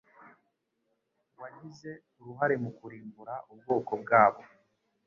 wagize uruhare mu kurimbura ubwoko bwabo,